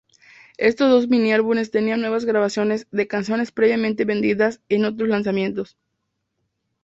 Estos dos mini-álbumes tenían nuevas grabaciones de canciones previamente vendidas en otros lanzamientos.